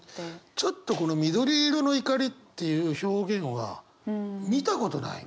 ちょっとこの「緑色の怒り」っていう表現は見たことないね。